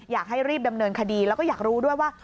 อยากให้รีบดำเนินคดีแล้วก็อยากรู้ด้วยว่า